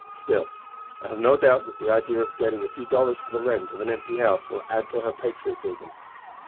Still, I have no doubt that the idea of getting a few dollars for the rent of an empty house will add to her patriotism.